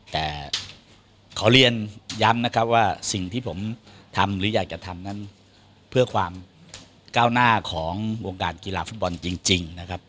แต่ขอเรียนย้ำนะครับว่าสิ่งที่ผมทำหรืออยากจะทำนั้นเพื่อความก้าวหน้าของวงการกีฬาฟุตบอลจริงนะครับ